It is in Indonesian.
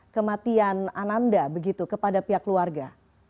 kematian ananda begitu kepada pihak keluarga